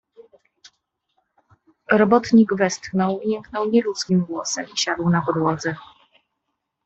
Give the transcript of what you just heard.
"Robotnik westchnął, jęknął nieludzkim głosem i siadł na podłodze."